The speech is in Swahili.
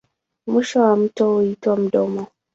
Mwisho wa mto huitwa mdomo.